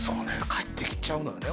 返ってきちゃうのよね